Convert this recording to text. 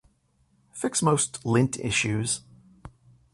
Fix most lint issues